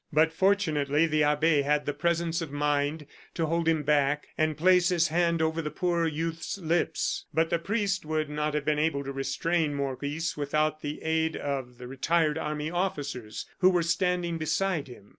But fortunately the abbe had the presence of mind to hold him back, and place his hand over the poor youth's lips. But the priest would not have been able to restrain Maurice without the aid of the retired army officers, who were standing beside him.